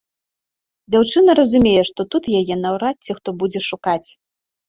Дзяўчына разумее, што тут яе наўрад ці хто будзе шукаць.